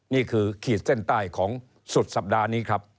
ขีดเส้นใต้ของสุดสัปดาห์นี้ครับ